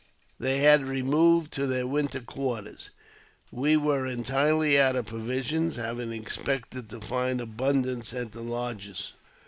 They had removed to their winter quarters. We were entirely out of provisions, having expected to find abundance at the lodges.